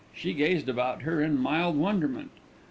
She gazed about her in mild wonderment.